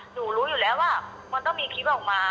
หนูรู้อยู่แล้วว่ามันต้องมีคลิปออกมา